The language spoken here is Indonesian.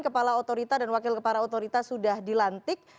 kepala otorita dan wakil kepala otorita sudah dilantik